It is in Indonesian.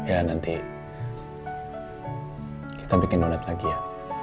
ya nanti kita bikin nolet lagi ya